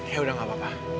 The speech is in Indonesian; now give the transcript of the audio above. yaudah gak apa apa